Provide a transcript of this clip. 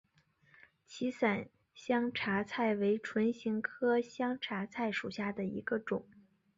歧伞香茶菜为唇形科香茶菜属下的一个种。